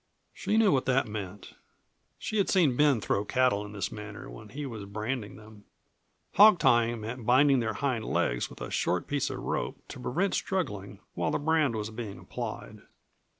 She knew what that meant. She had seen Ben throw cattle in this manner when he was branding them. "Hog tieing" meant binding their hind legs with a short piece of rope to prevent struggling while the brand was being applied.